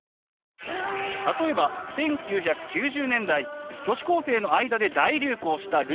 例えば１９９０年代女子高生の間で大流行したルーズソックス。